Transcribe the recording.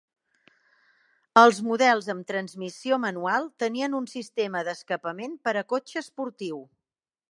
Els models amb transmissió manual tenien un sistema d'escapament per a cotxe esportiu.